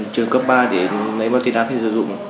trường cấp ba thì lấy ma túy đá phải sử dụng